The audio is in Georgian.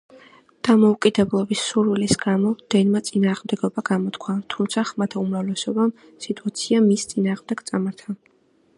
დამოუკიდებლობის სურვილის გამო, დენმა წინააღმდეგობა გამოთქვა, თუმცა, ხმათა უმრავლესობამ, სიტუაცია მის წინააღმდეგ წარმართა.